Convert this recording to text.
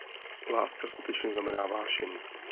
Láska skutečně znamená vášeň.